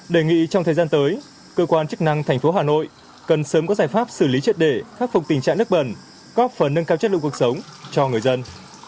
đề nghị trong thời gian tới cơ quan chức năng thành phố hà nội cần sớm có giải pháp xử lý triệt để khắc phục tình trạng nước bẩn góp phần nâng cao chất lượng cuộc sống cho người dân